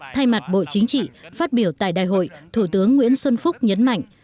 thay mặt bộ chính trị phát biểu tại đại hội thủ tướng nguyễn xuân phúc nhấn mạnh